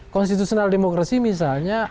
konstitusional demokrasi misalnya